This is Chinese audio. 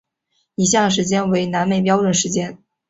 以下时间为南美标准时间。